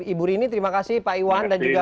ibu rini terima kasih pak iwan dan juga